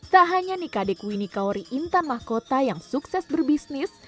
tak hanya nikadek winikaori intan mahkota yang sukses berbisnis